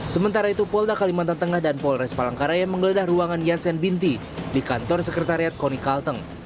sementara itu polda kalimantan tengah dan polres palangkaraya menggeledah ruangan yansen binti di kantor sekretariat koni kalteng